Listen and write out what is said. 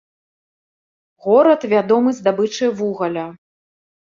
Горад вядомы здабычай вугаля.